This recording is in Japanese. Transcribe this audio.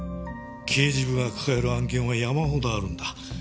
刑事部が抱える案件は山ほどあるんだ。